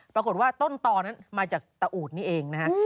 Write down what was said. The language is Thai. ปรากฏว่าต้นตอนนั้นมาจากตะอูดนี่เองนะฮะ